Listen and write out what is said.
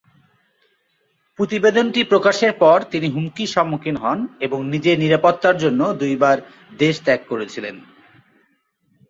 প্রতিবেদনটি প্রকাশের পর তিনি হুমকির সম্মুখীন হন এবং নিজের নিরাপত্তার জন্য দুইবার দেশত্যাগ করেছিলেন।